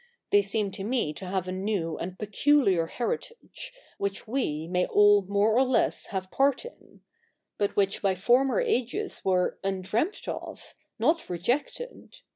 They seem to me a new and peculiar heritage, which zve may all more or less have part in ; but which by former ages were undreamt of, not rejected.